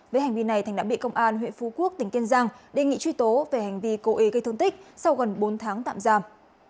với hành vi này thành đã bị công an huyện phú quốc tỉnh kiên giang đề nghị truy tố về hành vi cố ý gây thương tích sau gần bốn tháng tạm giam